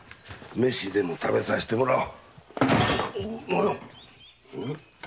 飯でも食べさせてもらおう。